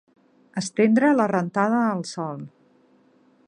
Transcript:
Estendre la rentada al sol.